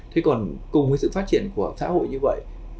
thế còn cùng với sự phát triển của xã hội như vậy